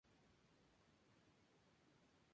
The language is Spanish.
No se considera humano.